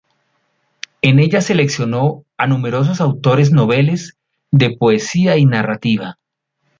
En ella seleccionó a numerosos autores noveles de poesía y narrativa.